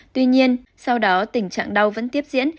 tuy nhiên sau đó tình trạng đau vẫn tiếp diễn